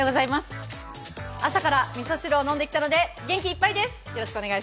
朝からみそ汁を飲んできたので元気いっぱいです！